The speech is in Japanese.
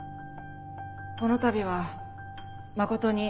このたびは誠に。